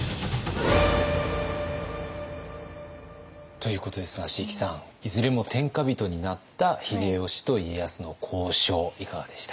ということですが椎木さんいずれも天下人になった秀吉と家康の交渉いかがでした？